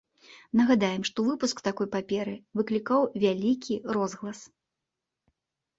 Нагадаем, што выпуск такой паперы выклікаў вялікі розгалас.